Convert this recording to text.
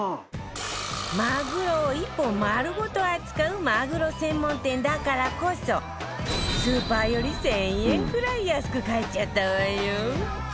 マグロを一本丸ごと扱うマグロ専門店だからこそスーパーより１０００円くらい安く買えちゃったわよ